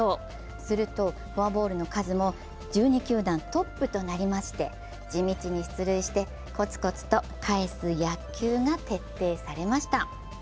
するとフォアボールの数も１２球団トップとなりまして地道に出塁して、コツコツと返す野球が徹底されました。